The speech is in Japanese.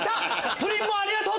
プリンもありがとう！